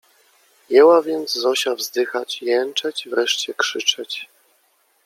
Jęła więc Zosia wzdychać, jęczeć, wreszcie krzyczeć.